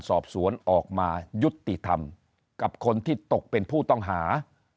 สอบสวนออกมายุติธรรมกับคนที่ตกเป็นผู้ต้องหา